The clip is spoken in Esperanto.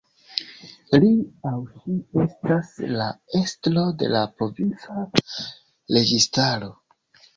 Li aŭ ŝi estas la estro de la provinca registaro.